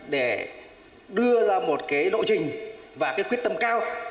để đưa ra một cái lộ trình và cái quyết tâm cao